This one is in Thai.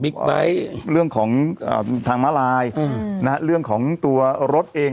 ไบท์เรื่องของทางมาลายอืมนะฮะเรื่องของตัวรถเอง